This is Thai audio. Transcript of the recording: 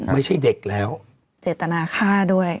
ไม่ใช่เด็กแล้วเจตนาฆ่าด้วย